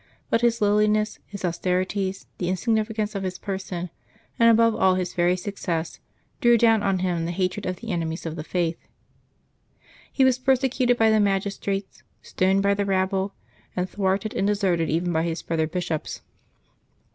But his lowliness, his austerities, the insignificance of his person, and above all his very success, drew down on him the hatred of the enemies of the Faith. He was persecuted by the magistrates, stoned by the rabble, and thwarted and deserted even by his brother bishops.